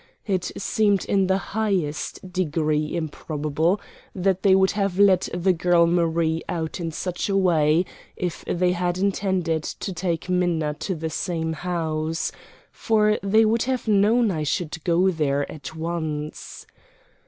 It seemed in the highest degree improbable that they would have let the girl Marie out in such a way if they had intended to take Minna to the same house; for they would have known I should go there at once.